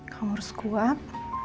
kamu harus kuat